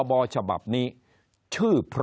คนในวงการสื่อ๓๐องค์กร